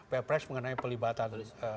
ppres mengenai pelibatan